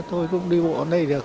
thôi cũng đi bộ vào đây được